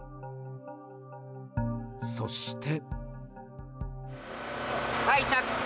そして。